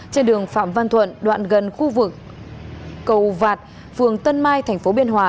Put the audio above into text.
trên đường phạm văn thuận đoạn gần khu vực cầu vạt phường tân mai tp biên hòa